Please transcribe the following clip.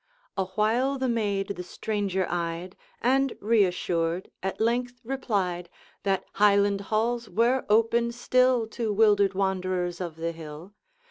Awhile the maid the stranger eyed, And, reassured, at length replied, That Highland halls were open still To wildered wanderers of the hill.